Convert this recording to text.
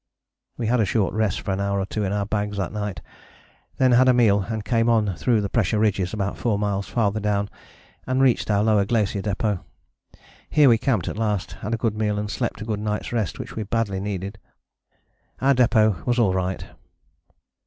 We had a short rest for an hour or two in our bags that night, then had a meal and came on through the pressure ridges about 4 miles farther down and reached our Lower Glacier Depôt. Here we camped at last, had a good meal and slept a good night's rest which we badly needed. Our depôt was all right."